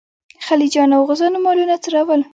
خلجیانو او غوزانو مالونه څرول.